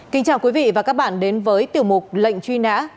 kính chào quý vị và các bạn đến với tiểu mục lệnh truy nã